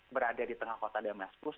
berada di tengah kota damaskus